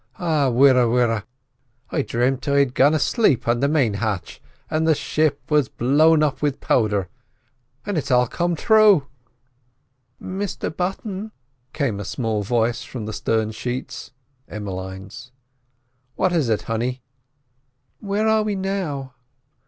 O wirra! wirra! I dreamt I'd gone aslape on the main hatch and the ship was blown up with powther, and it's all come true." "Mr Button!" came a small voice from the stern sheets (Emmeline's). "What is it, honey?" "Where are we now?"